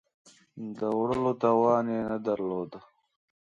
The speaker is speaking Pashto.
د وړلو توان یې نه درلود.